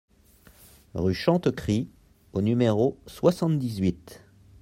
Rue Chantecrit au numéro soixante-dix-huit